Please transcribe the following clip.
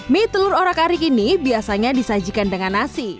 mie telur orak arik ini biasanya disajikan dengan nasi